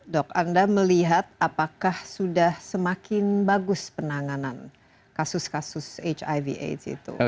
dok anda melihat apakah sudah semakin bagus penanganan kasus kasus hiv aids itu